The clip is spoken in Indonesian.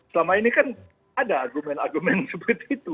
selama ini kan ada argumen argumen seperti itu